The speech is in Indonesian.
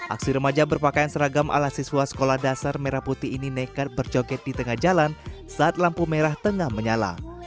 aksi remaja berpakaian seragam ala siswa sekolah dasar merah putih ini nekat berjoget di tengah jalan saat lampu merah tengah menyala